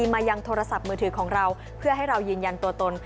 มายังโทรศัพท์มือถือของเราเพื่อให้เรายืนยันตัวตน